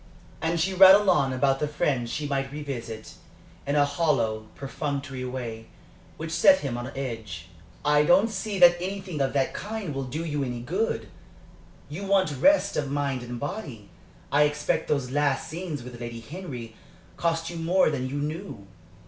And she rattled on about the friends she might revisit, in a hollow, perfunctory way, which set him on edge. "I don't see that anything of that kind will do you any good. You want rest of mind and body. I expect those last scenes with Lady Henry cost you more than you knew.